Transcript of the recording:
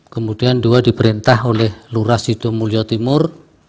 kemudian dua diperintah oleh lurah sidomulyo timur